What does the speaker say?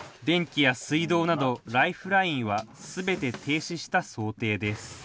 電気や水道などライフラインはすべて停止した想定です